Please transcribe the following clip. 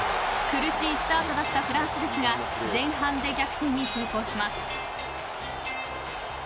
苦しいスタートだったフランスですが前半で逆転に成功します。